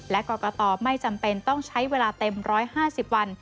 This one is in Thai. และกรกตไม่จำเป็นต้องใช้เวลาเต็ม๑๕๐วัน